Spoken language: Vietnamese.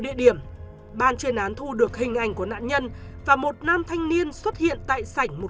địa điểm ban chuyên án thu được hình ảnh của nạn nhân và một nam thanh niên xuất hiện tại sảnh một